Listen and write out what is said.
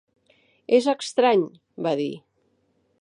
"És estrany!" va dir.